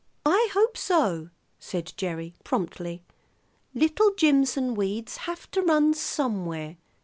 "I hope so," said Gerry promptly. "Little Jimson weeds have to run somewhere.